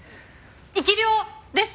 生き霊です！